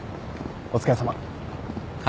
お疲れさま。